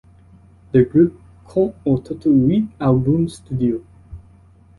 Le groupe compte au total huit albums studio.